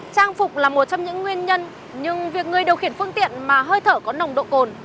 trang phục là một trong những nguyên nhân nhưng việc người điều khiển phương tiện mà hơi thở có nồng độ cồn